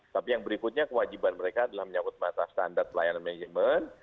tapi yang berikutnya kewajiban mereka adalah menyangkut masalah standar pelayanan manajemen